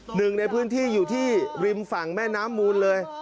หนึ่งในพื้นที่อยู่ที่ริมฝั่งแม่น้ำมูลเลย